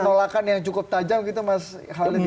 meski mendapat penolakan yang cukup tajam gitu mas khalid ya